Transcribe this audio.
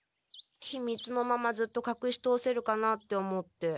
ひみつのままずっとかくし通せるかなって思って。